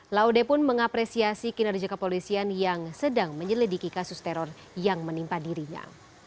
laude pun mengapresiasi kinerja kepolisian yang sedang menyelidiki kasus teror yang menimpa dirinya